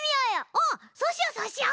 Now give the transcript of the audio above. おそうしようそうしよう！